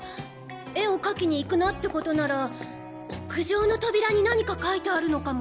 絵を描きに行くなって事なら屋上の扉に何か書いてあるのかも。